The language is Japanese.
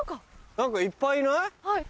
何かいっぱいいない？